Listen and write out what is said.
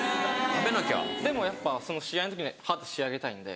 ・大変・でもやっぱ試合の時に肌仕上げたいんで。